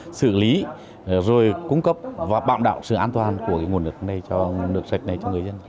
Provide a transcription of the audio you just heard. từ xử lý rồi cung cấp và bạo đạo sự an toàn của nguồn nước này cho nước sạch này cho người dân